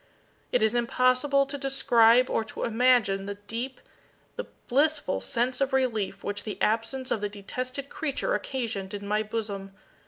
It is impossible to describe or to imagine the deep, the blissful sense of relief which the absence of the detested creature occasioned in my bosom.